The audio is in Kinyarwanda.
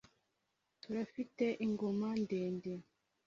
turafite ingoma ndende,